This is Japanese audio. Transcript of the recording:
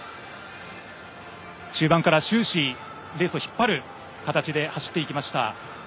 中盤から終始、レースを引っ張る形で走っていきました。